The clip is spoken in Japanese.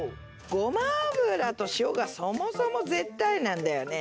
ごま油と塩がそもそも絶対なんだよね。